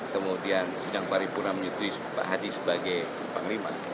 kemudian sedang paripura menyutui pak hadi sebagai pengiriman